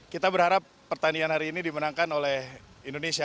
kita berharap pertandingan hari ini dimenangkan oleh indonesia